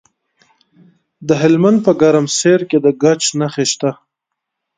د هلمند په ګرمسیر کې د ګچ نښې شته.